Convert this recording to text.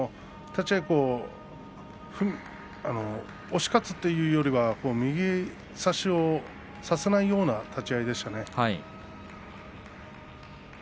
立ち合い、押し勝つというよりは右差しをさせないような立ち合いでしたね。